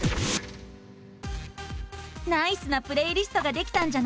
ナイスなプレイリストができたんじゃない！